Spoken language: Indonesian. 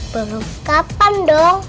baru kapan dong